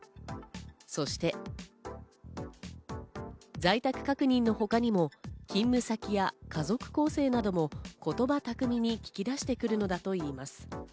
そして在宅確認のほかにも、勤務先や家族構成なども言葉巧みに聞き出してくるのだといいます。